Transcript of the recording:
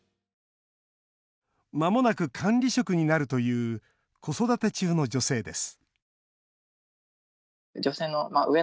まもなく管理職になるという子育て中の女性です